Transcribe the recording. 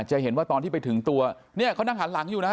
จะเห็นว่าตอนที่ไปถึงตัวเนี่ยเขานั่งหันหลังอยู่นะ